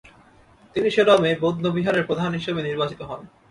তিনি সেরমে বৌদ্ধবিহারের প্রধান হিসেবে নির্বাচিত হন।